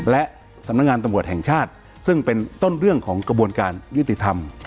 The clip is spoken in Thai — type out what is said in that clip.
และสำนักงานตำรวจแห่งชาติซึ่งเป็นต้นเรื่องของกระบวนการยุติธรรม